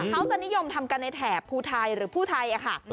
เขาจะนิยมทำกันในแถบภูไทยหรือภูไทยค่ะ